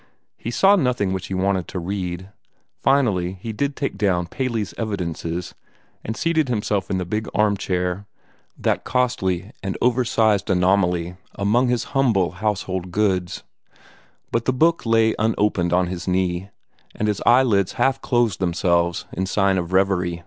He saw nothing which he wanted to read. Finally he did take down "Paley's Evidences," and seated himself in the big armchair that costly and oversized anomaly among his humble house hold gods; but the book lay unopened on his knee, and his eyelids half closed themselves in sign of revery.